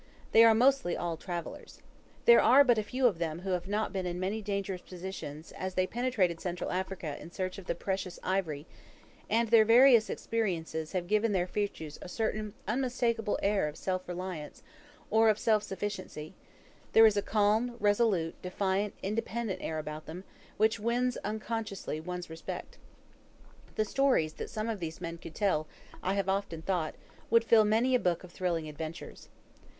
They are mostly all travellers. There are but few of them who have not been in many dangerous positions, as they penetrated Central Africa in search of the precious ivory; and their various experiences have given their features a certain unmistakable air of self reliance, or of self sufficiency; there is a calm, resolute, defiant, independent air about them, which wins unconsciously one's respect. The stories that some of these men could tell, I have often thought, would fill many a book of thrilling adventures.